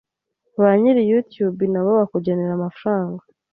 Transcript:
banyiri YouTube nabo bakugenera amafaranga.